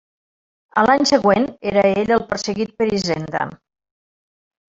A l'any següent era ell el perseguit per Hisenda.